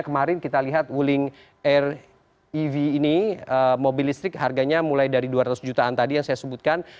kemarin kita lihat wuling rev ini mobil listrik harganya mulai dari dua ratus jutaan tadi yang saya sebutkan